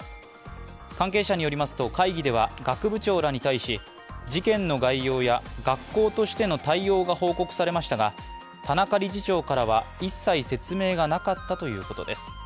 関係者によりますと会議では学部長らに対し事件の概要や学校としての対応が報告されましたが田中理事長からは一切説明がなかったということです。